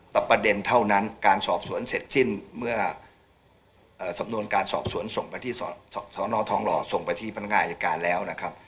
แต่ประเด็นเท่านั้นการสอบสวนเสร็จสิ้นเมื่อสำนวนการสอบสวนส่งไปที่สนทองหล่อส่งไปที่พนักงานอายการแล้วนะครับ